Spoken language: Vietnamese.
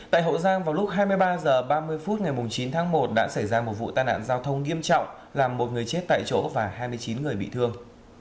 tại hậu giang vào lúc hai mươi ba h ba mươi phút ngày chín tháng một đã xảy ra một vụ tai nạn giao thông nghiêm trọng làm một người chết tại chỗ và hai mươi chín người bị thương